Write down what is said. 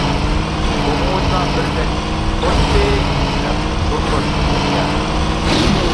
ئوقۇغۇچىلار بىردەك: «توشتى» دەپ چۇرقىرىشىپ كەتكەن.